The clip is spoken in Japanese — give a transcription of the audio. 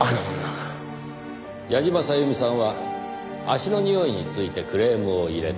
矢島さゆみさんは足のにおいについてクレームを入れた。